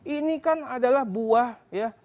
ini kan adalah buah ya